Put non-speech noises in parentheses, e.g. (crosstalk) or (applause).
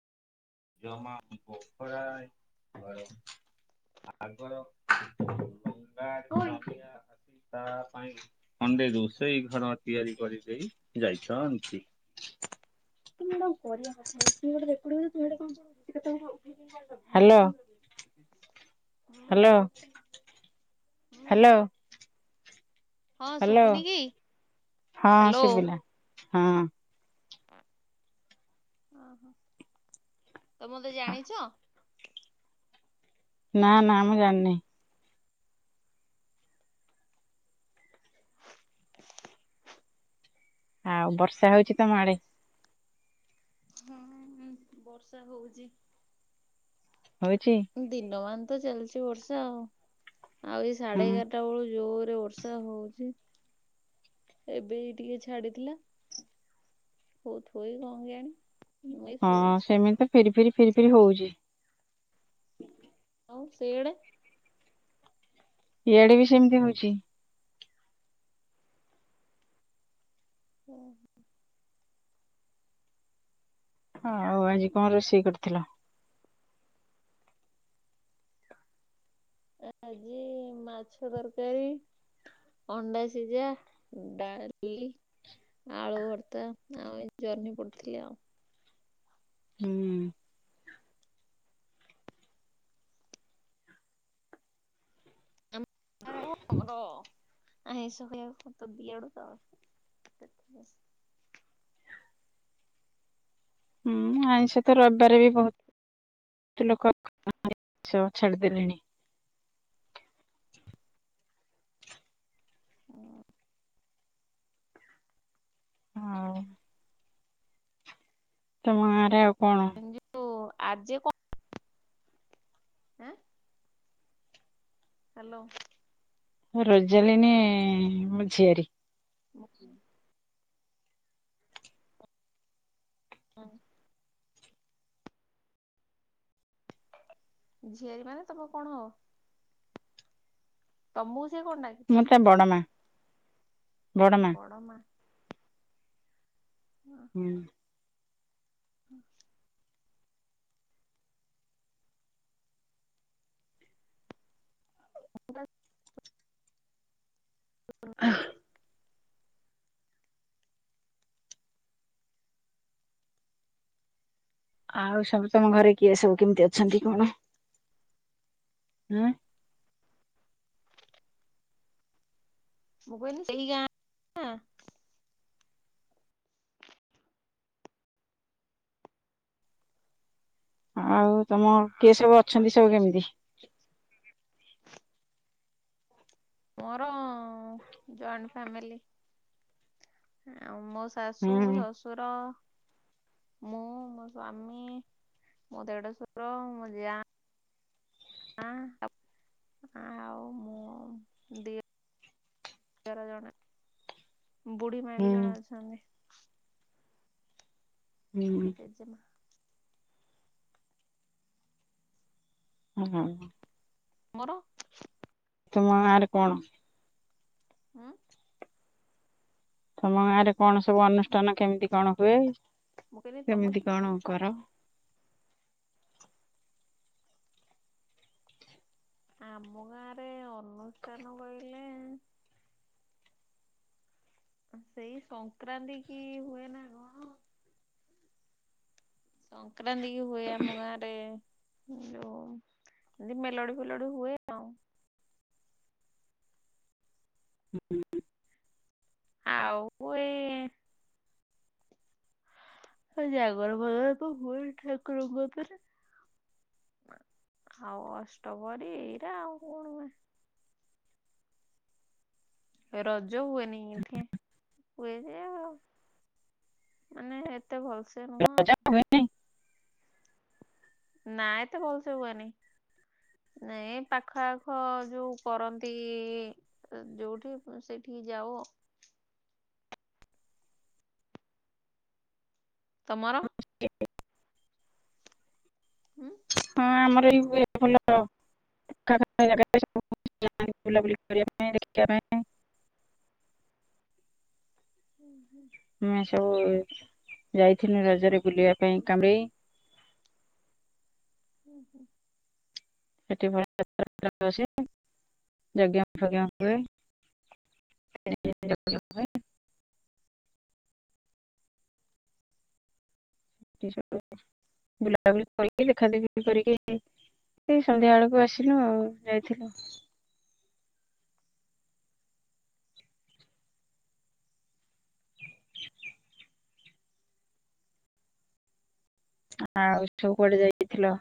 ଜମା ପଖରା ଘ (unintelligible) ତା ପାଇଁ ଖଣ୍ଡେ ରୋଷେଇ ଘର ତିଆରି କରିଦେଇ ଯାଇଛନ୍ତି। କିୁ ଗୋଟାଉ କରିବା ପଛ ଗୋଟେ ଦେଖୁଡିବ (unintelligible) ହ୍ୟାଲୋ ହୁଁ ହ୍ୟାଲୋ। ହୁଁ। ହ୍ୟାଲୋ। ହଁ ହ୍ୟାଲୋ ଶୁଭୁନି କି? ହଁ ହ୍ୟାଲୋ ଶିବିଲା ହଁ। ଓହୋ ତ ମତେ ଜାଣିଛ। ନା ନା ଆମେ ଜାଣିନହିଁ। ଆଉ ବର୍ଷା ହଉଛି ତ ମାଡେ। ହଁଁ ହୁ ବର୍ଷା ହଉଛି। ହଉଚି ଦିନମାନ ତ ଚାଲିଛି ବର୍ଷା ଆଉ ଆଉ ଏଇ ହଁ ସାଢେ ଏଗା ସେଟା ବେଳୁ ଜୋରରେ ବର୍ଷା ହଉଛି। ଏବେ ଟିକେ ଛାଡିଥିଲା ହଉଥିବ କଣ କି ଆଣି। ହଁ ସେମିତି ତ ଫେରି ଫେରି ଫେରି ଫିରି ହଉଛି। ହଉ ସେଆଡେ ଇଆଡେ ବି ସେମିତି ହଉଛି। ହଁ। ଆଉ ଆଜି କଣ ରୋଷେଇ କରିଥିଲ? ଆଜି ମାଛ ତରକାରୀ। ଅଣ୍ଡା ସିଜା ଡାଲି। ଆଳୁ ଭର୍ତ୍ତା ଆଉ ଏ ଜର୍ନି ପଡୁଥିଲି ଆଉ। ହୁଁ। (unintelligible) ହୁଁ ଆଇଷ ତ ରବିବାରେ ବି ବହୁ ତୁ ଲୋକ ଛାଡିଦେଲେଣି। ହଁ। ହଁ। ତମ ଗଁରେ ଆଉ କଣ? (unintelligible) ଆଜି କ ହେଁ ହ୍ୟାଲୋ। ରୋଜାଲିନୀ ମୋ ଝିଆରୀ। ଅ କେ ହଁ। ଝିଅରୀ ମାନେ ତମ କଣ ହ ତମକୁ ସିଏ କଣ ଡାକେ? ମତେ ବଡ଼ ମା। ବଡ ମା ବଡ଼ମା। ହୁଁ। (unintelligible) (unintelligible) (unintelligible) ଆଉ ସବୁ ତମ ଘରେ କିଏ ସବୁ କେମିତି ଅଛନ୍ତି କଣ? ହୁଁ। ମୁଁ କହିଲି (unintelligible) ଆଉ ତମ କିଏ ସବୁ ଅଛନ୍ତି ସବୁ କେମିତି? ମୋର ଜଏଣ୍ଟ ଫ୍ୟାମିଲୀ। ଆଉ ମୋ ହୁଁ ଶାଶୁ, ଶଶୁର ମୁଁ, ମୋ ସ୍ଵାମୀ, ମୋ ଦେଢ ସୁର, ମୋ ଯା, ଆଁ। ଆଉ ମୋ ଦି ଦିଅର ଜଣେ ବୁଢୀମା ହୁଁ ବି ଜଣେ ଅଛନ୍ତି। ହୁଁ। ଜେଜେମା। ହୁଁ ହୁଁ। ମୋର ତମ ଗାଁରେ କଣ? ହୁଁ। ତମ ଗାଁ ରେ କଣ ସବୁ ଅନୁଷ୍ଠାନ କେମିତି କଣ ହୁଏ। ମୁଁ କହିଲି କେମିତି ତମର କଣ କର? ଆମ ଗାଁରେ ଅନୁଷ୍ଠାନ କହିଲେ ସେଇ ସଂକ୍ରାନ୍ତି କି ହୁଏ ନା କଣ। ସଂକ୍ରାନ୍ତିକୁ ହୁଏ ଆମ ଗାଁରେ। ଯୋଉ ଯେମତି ମେଲୋଡି ଫେଲୋଡି ହୁଏ ଆଉ। (unintelligible) ଆଉ (unintelligible) ହଁ ଜାଗର ଫାଗର ତ ହୁଏ ଠାକୁରଙ୍କ ପାଖରେ। ଆଉ ଅଷ୍ଟପରି ଏଇରା ଆଉ କଣ ହୁଏ। ରଜ ହୁଏନି ଏଠି। ହୁଏ ଯେ ଆଉ ମାନେ ଏତେ ଭଲସେ ନୁହଁ। (unintelligible) ନା ଏତେ ଭଲସେ ହୁଏନି। ନାଇଁ ପାଖ ଆଖ ଯୋଉ କରନ୍ତି ଯୋଉଠି ସେଠିକି ଯାଉ। ତମର? (unintelligible) ହୁଁ। ହଁ ଆମର ବି ଭଲ (unintelligible) ବୁଲାବୁଲି କରିବା ପାଇଁ ଦେଖିବା ପାଇଁ ମେ ସବୁ ଯାଇଥିଲୁ ରଜରେ ବୁଲିବା ପାଇଁ କାମେଇ। ଉଁହୁଁ। ସେଥି ପାଇଁ (unintelligible) ଯଜ୍ଞ ଫଜ୍ଞ ହୁଏ। (inaudible) ବୁଲାବୁଲି କରିକି ଦେଖା ଦେଖି କରିକି ସେ ସନ୍ଧ୍ୟା ବେଳକୁ ଆସିଲୁ ଆଉ ଯାଇଥିଲୁ। ଆଉ ସବୁ କୁଆଡେ ଯାଇଥିଲ?